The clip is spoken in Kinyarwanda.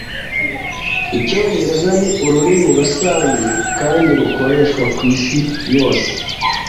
Icyongereza ni ururimi rusange kandi rukoreshwa kwisi yose.